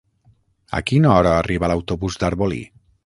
A quina hora arriba l'autobús d'Arbolí?